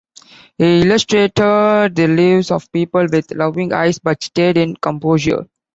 He illustrated the lives of people with loving eyes, but stayed in composure.